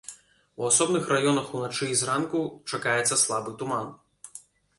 У асобных раёнах уначы і зранку чакаецца слабы туман.